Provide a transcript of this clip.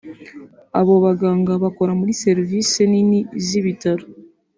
Abo baganga bakora muri serivisi nini z’ibitaro